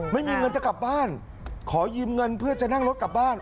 ไม่มีเงินจะกลับบ้านขอยืมเงินเพื่อจะนั่งรถกลับบ้าน